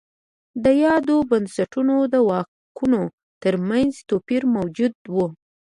د یادو بنسټونو د واکونو ترمنځ توپیر موجود و.